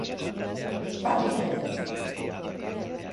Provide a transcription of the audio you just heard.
Batu zaitez.